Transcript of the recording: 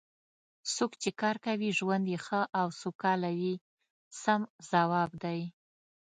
څوک چې کار کوي ژوند یې ښه او سوکاله وي سم ځواب دی.